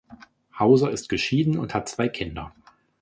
Hauser ist geschieden und hat zwei Kinder.